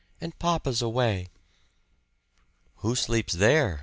And papa's away." "Who sleeps there?"